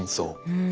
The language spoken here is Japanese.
うん。